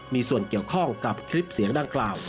มีส่วนเกี่ยวข้องกับคลิปเสียงดังกล่าว